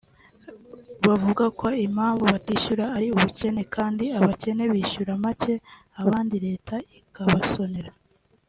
bavuga ko impamvu batishyura ari ubukene kandi abakene bishyura make abandi leta ikabasonera